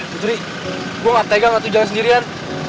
putri gue gak tegang satu jalan sendirian